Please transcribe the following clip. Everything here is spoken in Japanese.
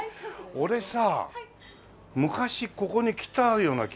俺さ昔ここに来たような気がするんだけど。